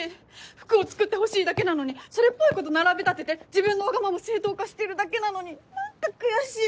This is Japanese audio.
服を作ってほしいだけなのにそれっぽいこと並び立てて自分のわがまま正当化してるだけなのに何か悔しい！